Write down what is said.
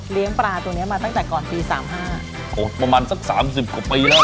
ปลาตัวเนี้ยมาตั้งแต่ก่อนปีสามห้าโอ้ประมาณสักสามสิบกว่าปีแล้ว